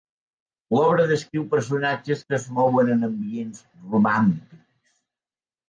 L'obra descriu personatges que es mouen en ambients romàntics.